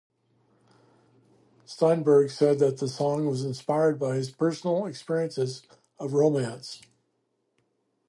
Steinberg said that the song was inspired by his personal experiences of romance.